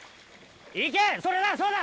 行けそれだそうだ！